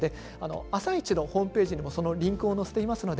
「あさイチ」のホームページにもリンクを載せています。